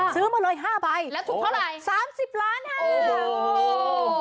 ซื้อมาเลย๕ใบแล้วถูกเท่าไหร่๓๐ล้าน